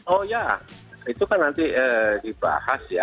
oh ya itu kan nanti dibahas ya